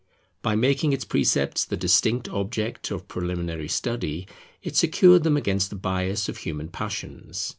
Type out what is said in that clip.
By making its precepts the distinct object of preliminary study, it secured them against the bias of human passions.